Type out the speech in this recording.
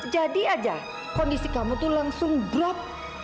jadi aja kondisi kamu tuh langsung drop